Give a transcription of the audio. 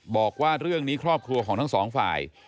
บอกว่าเรื่องนี้ครอบครัวของทั้งสองฝ่าย